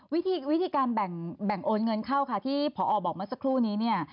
วิธีการแบ่งโอนเงินเข้าค่ะที่พอบอกเมื่อสักครู่นี้เนี่ย